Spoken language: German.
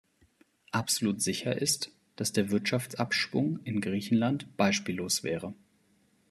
Absolut sicher ist, dass der Wirtschaftsabschwung in Griechenland beispiellos wäre.